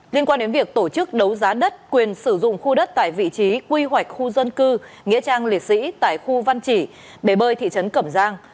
liên quan đến việc tổ chức đấu giá đất quyền sử dụng khu đất tại vị trí quy hoạch khu dân cư nghĩa trang liệt sĩ tại khu văn chỉ bể bơi thị trấn cẩm giang